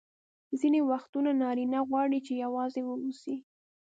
ځیني وختونه نارینه غواړي چي یوازي واوسي.